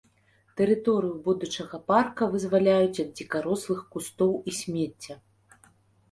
Тэрыторыю будучага парка вызваляюць ад дзікарослых кустоў і смецця.